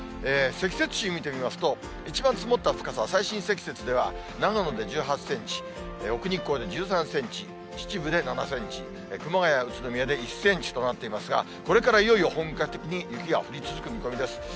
積雪地見てみますと、一番積もった高さは最深積雪では長野で１８センチ、奥日光で１３センチ、秩父で７センチ、熊谷、宇都宮で１センチとなっていますが、これからいよいよ本格的に雪が降り続く見込みです。